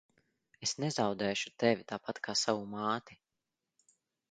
Es nezaudēšu tevi tāpat kā savu māti.